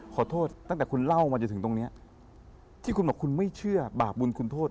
ขอโทษตั้งแต่คุณเล่ามาจนถึงตรงเนี้ยที่คุณบอกคุณไม่เชื่อบาปบุญคุณโทษ